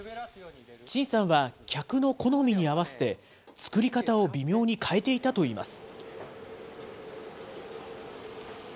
陳さんは客の好みに合わせて作り方を微妙に変えていたといいます。